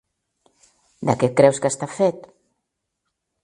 De què creus que està fet?